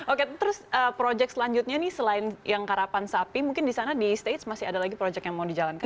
oke terus proyek selanjutnya nih selain yang karapan sapi mungkin di sana di stage masih ada lagi proyek yang mau dijalankan